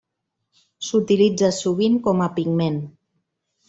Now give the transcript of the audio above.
S'utilitza sovint com a pigment.